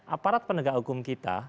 aparat penegak hukum kita